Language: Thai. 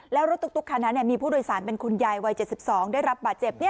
แล้วรถตุ๊กคันนั้นมีผู้โดยสารเป็นคุณยายวัย๗๒ได้รับบาดเจ็บ